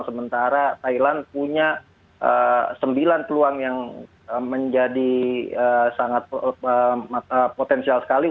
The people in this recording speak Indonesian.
sementara thailand punya sembilan peluang yang menjadi sangat potensial sekali